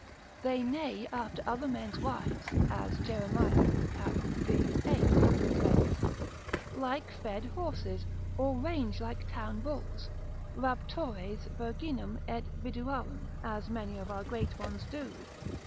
They neigh after other men's wives (as Jeremia, cap. v. 8. complaineth) like fed horses, or range like town bulls, raptores virginum et viduarum, as many of our great ones do.